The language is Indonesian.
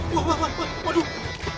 kita bisa mencoba